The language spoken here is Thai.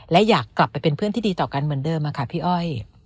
และอยากกลับไปเป็นเพื่อนที่ดีต่อกันเหมือนเดิมค่ะพี่อ้อย